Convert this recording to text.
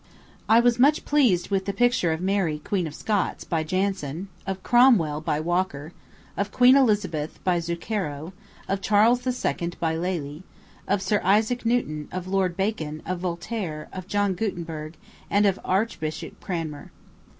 I was much pleased with the picture of Mary, Queen of Scots, by Jansen; of Cromwell, by Walker; of Queen Elizabeth, by Zucchero; of Charles II., by Lely; of Sir Isaac Newton; of Lord Bacon; of Voltaire; of John Guttenburg; and of Archbishop Cranmer.